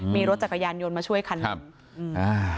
มีรถจักรยานยนต์มาช่วยคันนี้